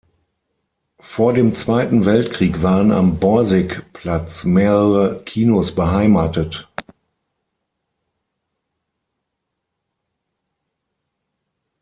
Vor dem Zweiten Weltkrieg waren am Borsigplatz mehrere Kinos beheimatet.